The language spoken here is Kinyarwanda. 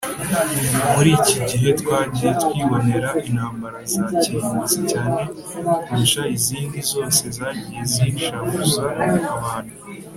Muri iki gihe twagiye twibonera intambara za kirimbuzi cyane kurusha izindi zose zagiye zishavuza abantu